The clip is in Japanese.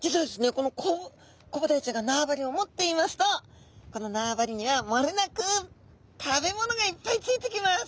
このコブダイちゃんが縄張りを持っていますとこの縄張りにはもれなく食べ物がいっぱいついてきます。